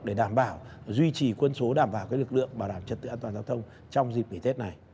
để đảm bảo duy trì quân số đảm bảo lực lượng bảo đảm trật tự an toàn giao thông trong dịp nghỉ tết này